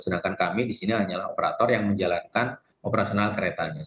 sedangkan kami disini hanyalah operator yang menjalankan operasional keretanya